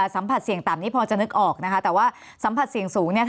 สัมผัสเสี่ยงต่ำนี้พอจะนึกออกนะคะแต่ว่าสัมผัสเสี่ยงสูง